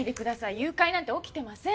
誘拐なんて起きてません。